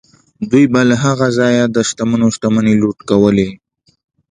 دوی به له هغه ځایه د شتمنو شتمنۍ لوټ کولې.